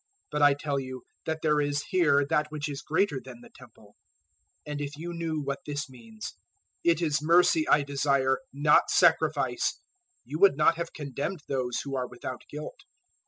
012:006 But I tell you that there is here that which is greater than the Temple. 012:007 And if you knew what this means, `It is mercy I desire, not sacrifice', you would not have condemned those who are without guilt.